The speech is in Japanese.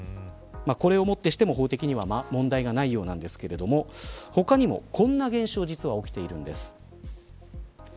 これをもってしても、法的には問題ないようなんですが他にもこんな現象が実は起きているんです。